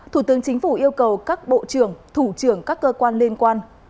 thủ tướng chính phủ yêu cầu các bộ trưởng thủ trưởng các cơ quan liên quan